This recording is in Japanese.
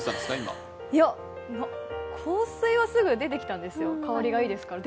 香水はすぐ出てきたんですよ、香りが出てきたから。